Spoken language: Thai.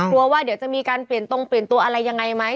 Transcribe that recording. ว่าเดี๋ยวจะมีการเปลี่ยนตรงเปลี่ยนตัวอะไรยังไงไหม